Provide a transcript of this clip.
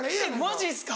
マジですか？